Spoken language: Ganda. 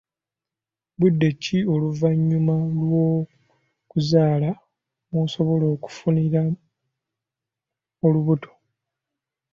Budde ki oluvannyuma lw'okuzaala mw'osobola okufunira olubuto?